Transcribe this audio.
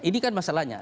ini kan masalahnya